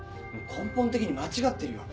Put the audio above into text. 根本的に間違ってるよ。